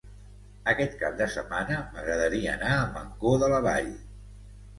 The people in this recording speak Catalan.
Aquest cap de setmana m'agradaria anar a Mancor de la Vall.